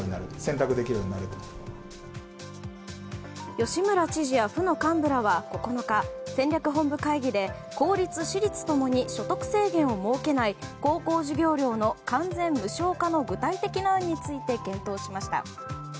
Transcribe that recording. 吉村知事や府の幹部らは９日、戦略本部会議で公立・私立共に所得制限を設けない高校授業料の完全無償化の具体的な案について検討しました。